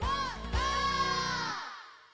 ゴー！」